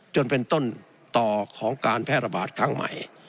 จนเป็นต้นต่อของการแพร่ระบาดครั้งใหม่